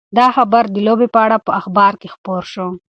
دا خبر د لوبې په اړه په اخبار کې خپور شو.